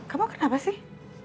kamu kenapa sih